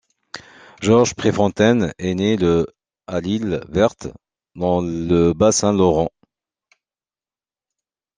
Georges Préfontaine est né le à l'Isle-Verte, dans le Bas-Saint-Laurent.